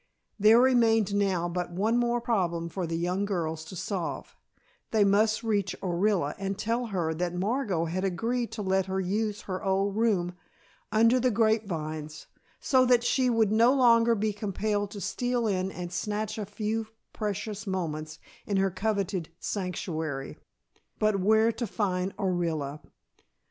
There remained now but one more problem for the young girls to solve: they must reach Orilla and tell her that Margot had agreed to let her use her old room, under the grape vines, so that she would no longer be compelled to steal in and snatch a few precious moments in her coveted sanctuary. But where to find Orilla?